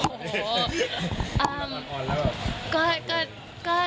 เรื่องละครแล้วหรือเปล่า